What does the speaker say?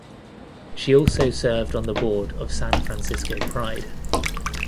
She also served on the board of San Francisco Pride.